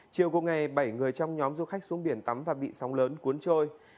chiều cùng ngày bảy người trong nhóm du khách xuống biển tắm và bị sóng lớn cuốn trôi